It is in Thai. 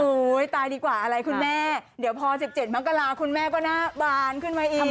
ตายดีกว่าอะไรคุณแม่เดี๋ยวพอ๑๗มกราคุณแม่ก็หน้าบานขึ้นมาอีก